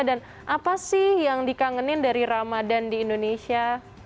dan apa sih yang dikangenin dari ramadan di indonesia